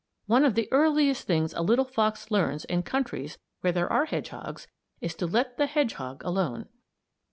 One of the earliest things a little fox learns in countries where there are hedgehogs is to let the hedgehog alone.